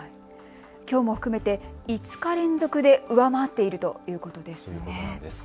きょうも含めて５日連続で上回っているということですね。